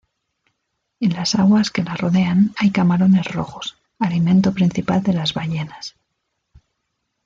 En las aguas que la rodean hay camarones rojos, alimento principal de las ballenas.